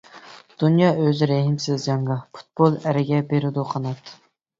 دۇنيا ئۆزى رەھىمسىز جەڭگاھ، پۇتبول ئەرگە بېرىدۇ قانات.